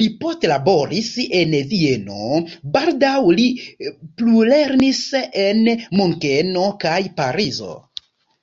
Li poste laboris en Vieno, baldaŭ li plulernis en Munkeno kaj Parizo.